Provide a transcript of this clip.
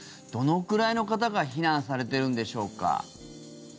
どのくらいの方が避難されているんでしょうか？